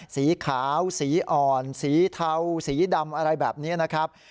สีขาวสีอ่อนสีเทาสีดำอะไรแบบนี้นะครับ